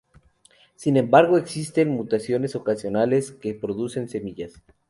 Sin embargo, existen mutaciones ocasionales que producen semillas.